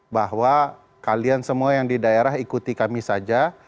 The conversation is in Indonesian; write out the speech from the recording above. bahwa kalian semua yang di daerah ikuti kami saja